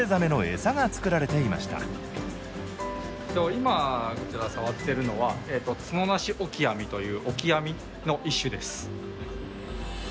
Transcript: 今こちら触ってるのはツノナシオキアミというオキアミの一種です。